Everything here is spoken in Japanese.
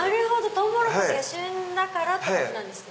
トウモロコシが旬だからってことなんですね。